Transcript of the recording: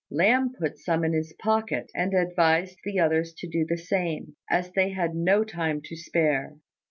Lamb put some in his pocket, and advised the others to do the same, as they had no time to spare.